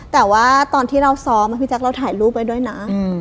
แต่ว่าตอนที่เราซ้อมพี่แจ๊คเราถ่ายรูปไว้ด้วยนะ